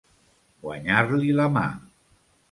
Guanyar-li la mà.